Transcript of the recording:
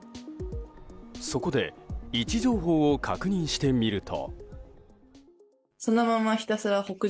そこで位置情報を確認してみると。